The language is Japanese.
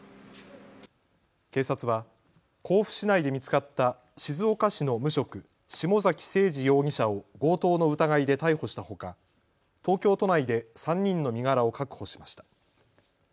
警察は甲府市内で見つかった静岡市の無職、下崎星児容疑者を強盗の疑いで逮捕したほか東京都内で３人の身柄を確保しました。